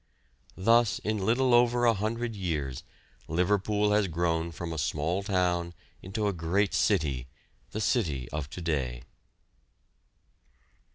Thus in little over a hundred years Liverpool has grown from a small town into a great city, the city of to day.